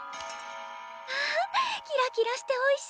うわキラキラしておいしそう。